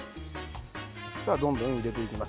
どんどん入れていきます。